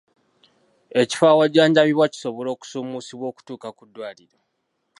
Ekifo awajjanjabirwa kisobola okusuumusibwa okutuuka ku ddwaliro?